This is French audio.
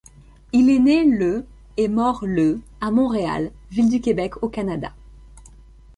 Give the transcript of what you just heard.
Il est né le et mort le à Montréal ville du Québec au Canada.